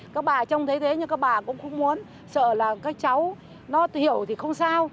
các bà trông thấy thế nhưng các bà cũng không muốn sợ là các cháu nó hiểu thì không sao